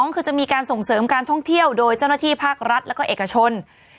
คือจะมีการส่งเสริมการท่องเที่ยวโดยเจ้าหน้าที่ภาครัฐแล้วก็เอกชน